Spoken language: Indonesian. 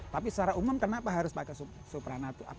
tapi secara umum kenapa harus pakai supranatur